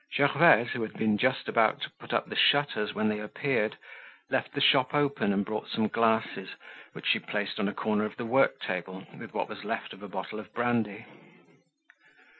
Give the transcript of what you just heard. Gervaise, who had been just about to put up the shutters when they appeared, left the shop open and brought some glasses which she placed on a corner of the work table with what was left of a bottle of brandy.